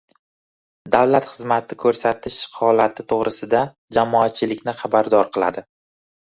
davlat xizmati ko’rsatish holati to’g’risida jamoatchilikni xabardor qiladi.